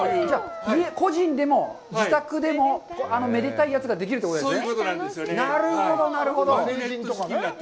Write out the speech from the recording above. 家、個人でも、自宅でも、めでたいやつができるということですね？